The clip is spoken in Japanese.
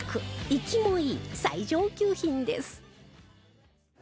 生きもいい最上級品です